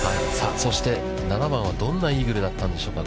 そして、７番はどんなイーグルだったんでしょうか。